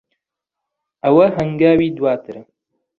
ئەوە ھەنگاوی دواترە.